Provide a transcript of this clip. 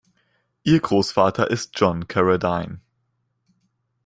Ihr Großvater ist John Carradine.